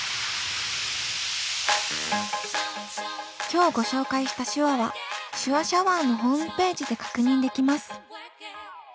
今日ご紹介した手話は「手話シャワー」のホームページで確認できます。